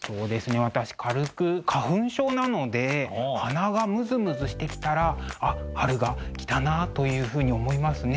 私軽く花粉症なので鼻がムズムズしてきたら「あっ春が来たな」というふうに思いますね。